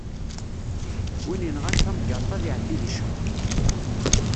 Win yenɣan tamgerḍt ad iɛeddi di ccṛeɛ.